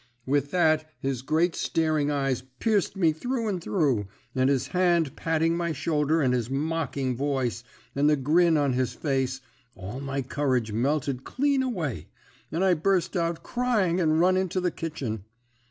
"What with his great staring eyes piercing me through and through, and his hand patting my shoulder, and his mocking voice, and the grin on his face, all my courage melted clean away, and I burst out crying and run into the kitchen.